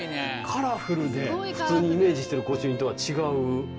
カラフルで普通にイメージしてる御朱印とは違う。